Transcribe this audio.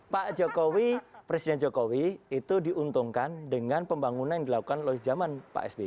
pak jokowi presiden jokowi itu diuntungkan dengan pembangunan yang dilakukan oleh zaman pak sby